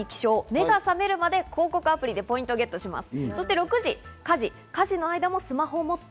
目が覚めるまで広告アプリでポイントをゲットします。